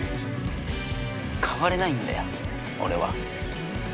変われないんだよ俺は。